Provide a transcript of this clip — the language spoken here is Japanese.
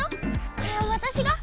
これをわたしが？